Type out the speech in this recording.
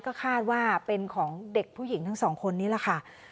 ก็คาดว่าเป็นของเด็กผู้หญิงทั้งสองคนนี้แหละค่ะ